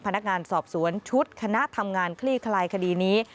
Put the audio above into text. พนักงานสอบสวนชุดคณะทำงานคลี่คลายคดีนี้